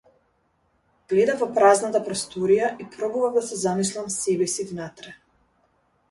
Гледав во празната просторија и пробував да се замислам себеси внатре.